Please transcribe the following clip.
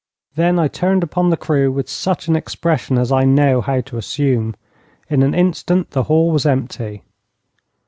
Then I turned upon the crew with such an expression as I know how to assume. In an instant the hall was empty.